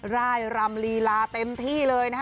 ร่ายรำลีลาเต็มที่เลยนะฮะ